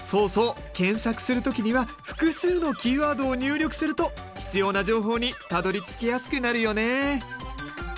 検索する時には複数のキーワードを入力すると必要な情報にたどりつきやすくなるよね。